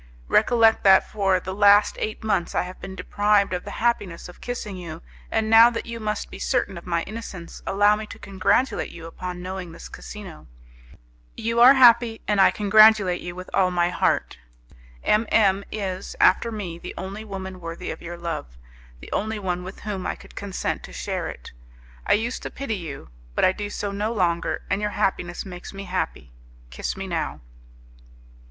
Recollect that for the last eight months I have been deprived of the happiness of kissing you, and now that you must be certain of my innocence, allow me to congratulate you upon knowing this casino. You are happy, and I congratulate you with all my heart. M M is, after me, the only woman worthy of your love, the only one with whom I could consent to share it. I used to pity you, but I do so no longer, and your happiness makes me happy. Kiss me now."